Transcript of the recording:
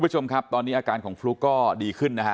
คุณผู้ชมครับตอนนี้อาการของฟลุ๊กก็ดีขึ้นนะฮะ